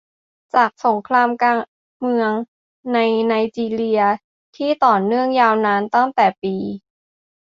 จากสงครามกลางเมืองในไนจีเรียที่ต่อเนื่องยาวนานตั้งแต่ปี